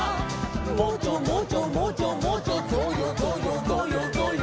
「もじょもじょもじょもじょぞよぞよぞよぞよ」